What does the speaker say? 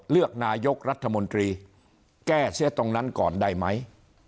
เลือกนายกรัฐมนตรีแก้เสียตรงนั้นก่อนได้ไหม